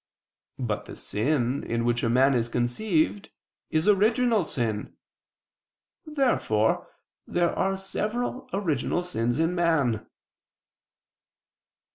But the sin in which a man is conceived is original sin. Therefore there are several original sins in man.